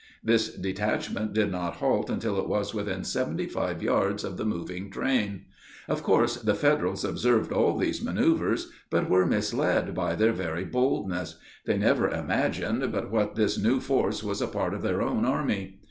This detachment did not halt until it was within seventy five yards of the moving train. Of course the Federals observed all these manoeuvers, but were misled by their very boldness; they never imagined but what this new force was a part of their own army.